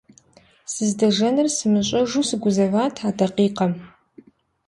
Сыздэжэнур сымыщӏэжу сыгузэват а дакъикъэм.